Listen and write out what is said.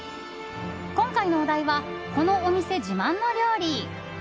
今回のお題はこのお店自慢の料理。